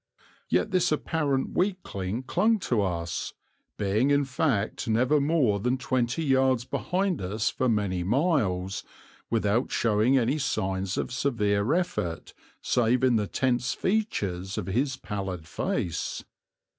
Yet this apparent weakling clung to us, being in fact never more than twenty yards behind us for many miles, without showing any signs of severe effort save in the tense features of his pallid face.